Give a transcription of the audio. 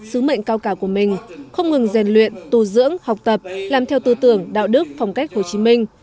sứ mệnh cao cả của mình không ngừng rèn luyện tu dưỡng học tập làm theo tư tưởng đạo đức phong cách hồ chí minh